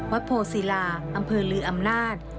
โพศิลาอำเภอลืออำนาจ